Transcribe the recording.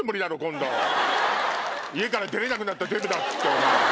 家から出れなくなったデブだっつって。